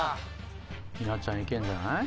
稲ちゃんいけるんじゃない？